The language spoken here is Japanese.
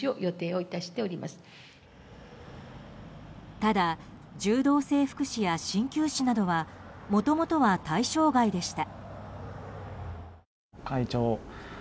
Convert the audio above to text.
ただ柔道整復師や鍼灸師などはもともとは対象外でした。